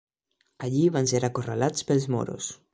Allí van ser acorralats pels moros.